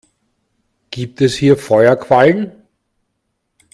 Gibt es hier Feuerquallen?